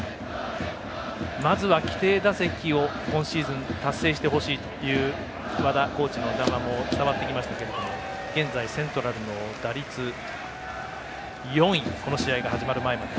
まずは規定打席を今シーズン達成してほしいという和田コーチの談話も伝わってきましたが現在、セントラルの打率４位この試合が始まる前まで。